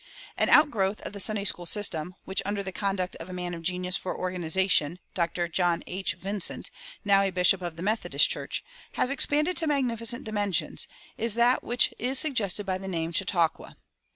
An outgrowth of the Sunday school system, which, under the conduct of a man of genius for organization, Dr. John H. Vincent, now a bishop of the Methodist Church, has expanded to magnificent dimensions, is that which is suggested by the name "Chautauqua."